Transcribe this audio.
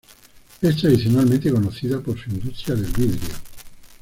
Es tradicionalmente conocida por su industria del vidrio.